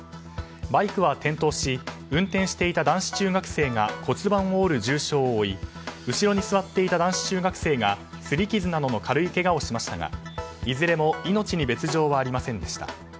バイクは転倒し運転していた男子中学生が骨盤を折る重傷を負い後ろに座っていた男子中学生が擦り傷などの軽いけがをしましたがいずれも命に別状はありませんでした。